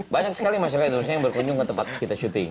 banyak sekali masyarakat indonesia yang berkunjung ke tempat kita syuting